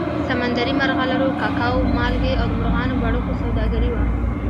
سمندري مرغلرو، ککو، مالګې او د مرغانو بڼکو سوداګري وه